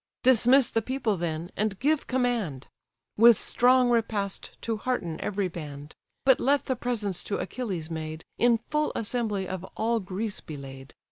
Dismiss the people, then, and give command, With strong repast to hearten every band; But let the presents to Achilles made, In full assembly of all Greece be laid.